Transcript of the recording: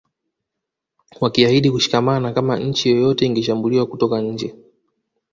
Wakiahidi kushikamana kama nchi yoyote ingeshambuliwa kutoka nje